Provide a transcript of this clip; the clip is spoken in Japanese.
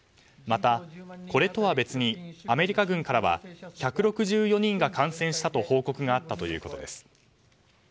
また、これとは別にアメリカ軍からは１６４人が感染したと報告があったということです。